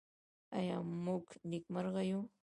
آیا موږ نېکمرغه یو؟